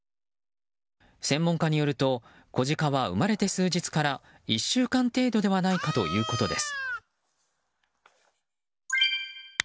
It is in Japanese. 専門家によると、子ジカは生まれて数日から１週間程度ではないかということです。